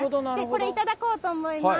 これ、いただこうと思います。